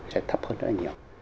sẽ thấp hơn rất là nhiều